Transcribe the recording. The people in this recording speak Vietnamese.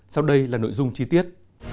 sau đây là nội dung chi tiết